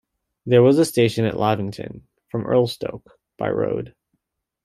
There was a station at Lavington, from Erlestoke by road.